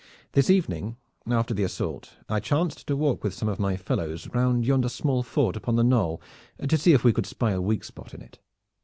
This evening after the assault I chanced to walk with some of my fellows, round yonder small fort upon the knoll to see if we could spy a weak spot in it.